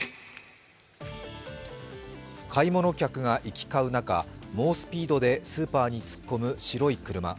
買い物客が行き交う中猛スピードでスーパーに突っ込む白い車。